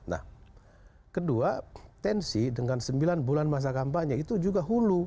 nah kedua tensi dengan sembilan bulan masa kampanye itu juga hulu